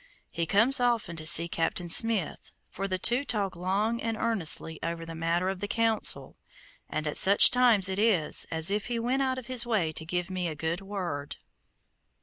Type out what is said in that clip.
He comes often to see Captain Smith, for the two talk long and earnestly over the matter of the Council, and at such times it is as if he went out of his way to give me a good word.